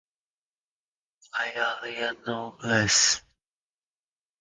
Bay Area notables.